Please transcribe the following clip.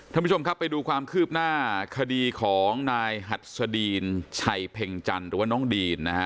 ท่านผู้ชมครับไปดูความคืบหน้าคดีของนายหัดสดีนชัยเพ็งจันทร์หรือว่าน้องดีนนะฮะ